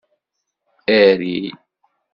Arry